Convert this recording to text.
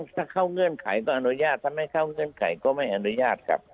ถ้าเข้าเงื่อนไขต้องอนุญาตถ้าไม่เข้าเงื่อนไขก็ไม่อนุญาตครับ